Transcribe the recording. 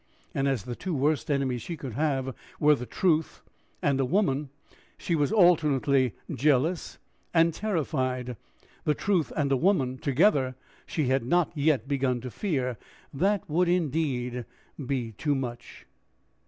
And as the two worst enemies she could have were the truth and a woman, she was alternately jealous and terrified: the truth and a woman together, she had not yet begun to fear; that would, indeed, be too much!